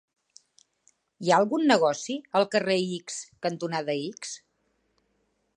Hi ha algun negoci al carrer X cantonada X?